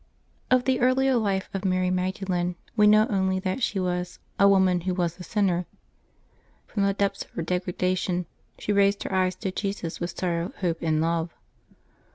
OF the earlier life of Mary Magdalen we know only that she was "a woman who was a sinner." From the depth of her degradation she raised her eyes to Jesus with sorrow, hope, and love.